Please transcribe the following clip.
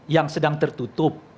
yang sedang tertutup